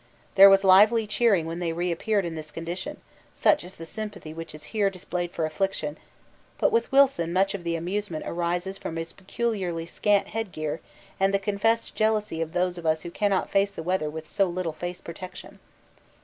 There was lively cheering when they reappeared in this condition, such is the sympathy which is here displayed for affliction; but with Wilson much of the amusement arises from his peculiarly scant headgear and the confessed jealousy of those of us who cannot face the weather with so little face protection.